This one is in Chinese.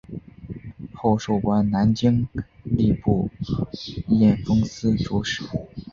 后授官南京吏部验封司主事。